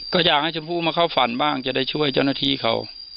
ก็อยากให้ชมพู่มาเข้าฝันบ้างจะได้ช่วยเจ้าหน้าที่เขา